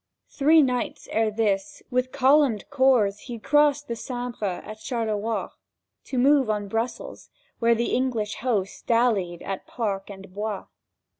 Three nights ere this, with columned corps he'd crossed The Sambre at Charleroi, To move on Brussels, where the English host Dallied in Parc and Bois.